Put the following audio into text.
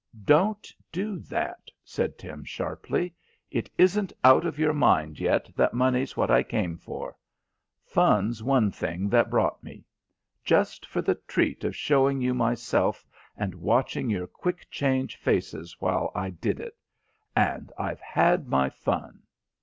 "Don't do that," said Tim sharply. "It isn't out of your mind yet that money's what I came for. Fun's one thing that brought me. Just for the treat of showing you myself and watching your quick change faces while I did it. And I've had my fun."